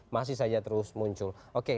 masih saja terus muncul